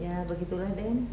ya begitulah den